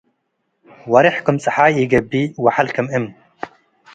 ወሬሕ ከም ጸሓይ ኢገብእ ወሐል ክም እም።